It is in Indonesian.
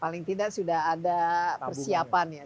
paling tidak sudah ada persiapan ya